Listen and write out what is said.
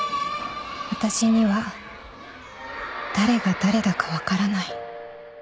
「私には誰が誰だか分からない」